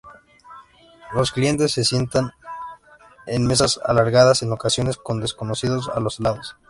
Los clientes se sientan en mesas alargadas en ocasiones con desconocidos a los lados.